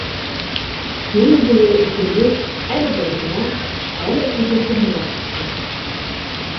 Төнө буйы өҫтөнлөк әле береһенә, әле икенсеһенә күсте.